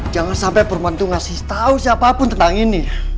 jangan sampai pemandu ngasih tau siapapun tentang ini